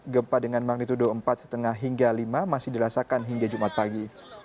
gempa dengan magnitudo empat lima hingga lima masih dirasakan hingga jumat pagi